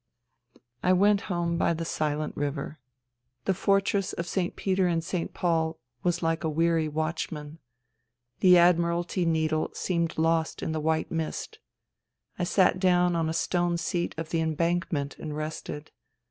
..." I went home by the silent river. The Fortress of 80 FUTILITY St. Peter and St. Paul was like a weary watchman. The Admiralty Needle seemed lost in the white mist. I sat down on a stone seat of the embank ment and rested.